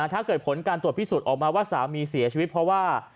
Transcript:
ถ้าเกิดผลการตรวจพิสูจน์ออกมาว่าสามีเสียชีวิตเพราะว่า